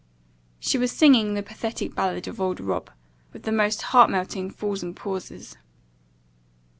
She was singing the pathetic ballad of old Rob* with the most heart melting falls and pauses.